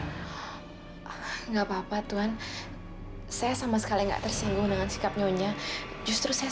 enggak papa tuan saya sama sekali enggak tersinggung dengan sikap nyonya justru saya